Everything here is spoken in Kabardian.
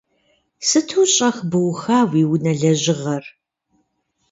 Сыту щӏэх быуха уи унэ лъэжьыгъэр.